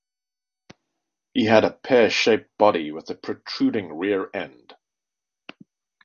He had a pear-shaped body with a protruding rear end.